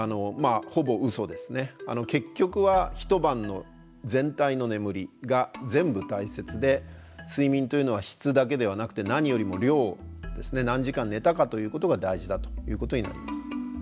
結局は一晩の全体の眠りが全部大切で睡眠というのは質だけではなくて何よりも量ですね何時間寝たかということが大事だということになります。